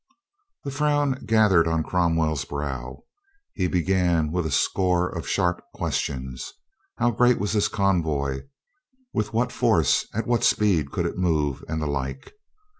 The frown gathered on Cromwell's brow. He began with a score of sharp questions. How great was this convoy? with what force? at what speed could it move? and the like.